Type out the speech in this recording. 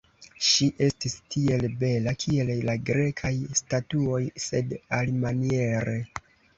Ŝi estis tiel bela, kiel la Grekaj statuoj, sed alimaniere.